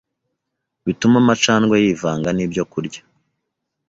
bitume amacandwe yivanga n’ibyokurya.